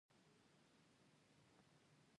لومړنی نوښت د لویې شورا جوړول و